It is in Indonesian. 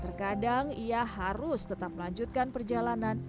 terkadang ia harus tetap melanjutkan perjalanan